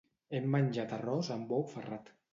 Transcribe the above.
Hem menjat arròs amb ou ferrat.